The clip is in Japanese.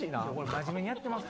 真面目にやってます。